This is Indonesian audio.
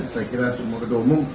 saya kira semua ketua umum